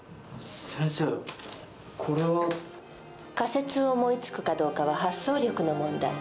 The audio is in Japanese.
先生これは。仮説を思いつくかどうかは発想力の問題。